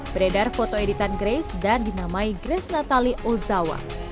beredar fotoeditan grace dan dinamai grace natali ozawa